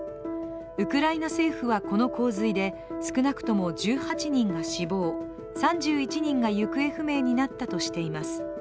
ウクライナ政府はこの洪水で少なくとも１８人が死亡、３１人が行方不明になったとしています。